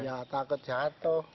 ya takut jatuh